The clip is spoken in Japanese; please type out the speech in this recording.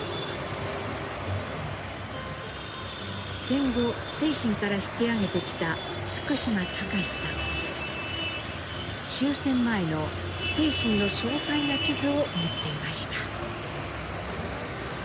戦後清津から引き揚げてきた終戦前の清津の詳細な地図を持っていました。